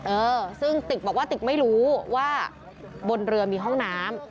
เออซึ่งติกบอกว่าติกไม่รู้ว่าบนเรือมีห้องน้ำ